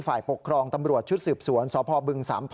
ฝ่ายปกครองตำรวจชุดสืบสวนสพบึง๓๐๐